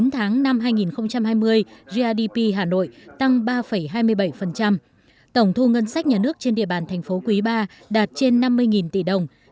chín tháng năm hai nghìn hai mươi grdp hà nội tăng ba hai mươi bảy tổng thu ngân sách nhà nước trên địa bàn thành phố quý ba đạt trên năm mươi tỷ đồng